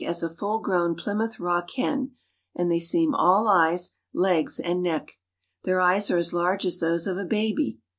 as a full grown Plymouth Rock hen, and they seem all eyes, legs, and neck. > Their eyes are as large as those of a baby.